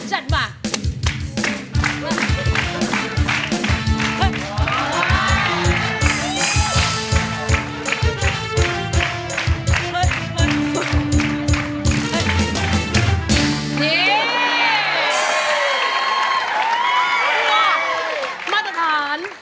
นะสวยด้วยมาตรฐานมาตรฐานเบ็กกี้ครับ